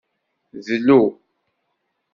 Dlu.